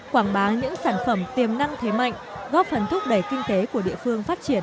quảng bá những sản phẩm tiềm năng thế mạnh góp phần thúc đẩy kinh tế của địa phương phát triển